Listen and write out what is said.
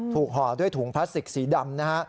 ห่อด้วยถุงพลาสติกสีดำนะฮะ